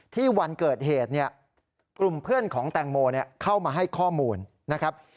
วันเกิดเหตุเนี่ยกลุ่มเพื่อนของแตงโมเข้ามาให้ข้อมูลนะครับ